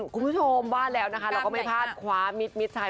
คุณผู้ชมว่าแล้วนะคะเราก็ไม่พลาดคว้ามิดมิดชัย